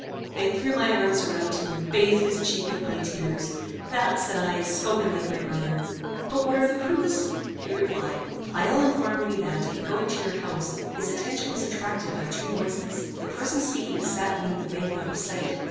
I threw my arms around him, and bathed his cheek with my tears. "That," said I, "is spoken like my brother. But what are the proofs?" He replied "Pleyel informed me that, in going to your house, his attention was attracted by two voices. The persons speaking sat beneath the bank out of sight.